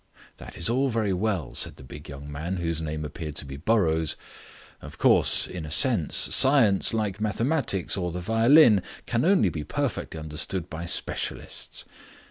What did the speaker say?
"That is all very well," said the big young man, whose name appeared to be Burrows. "Of course, in a sense, science, like mathematics or the violin, can only be perfectly understood by specialists.